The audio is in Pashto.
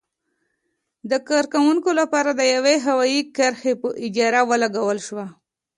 د کارکوونکو لپاره د یوې هوايي کرښې په اجاره ولګول شوه.